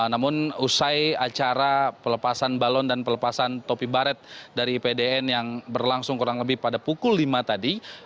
namun usai acara pelepasan balon dan pelepasan topi baret dari ipdn yang berlangsung kurang lebih pada pukul lima tadi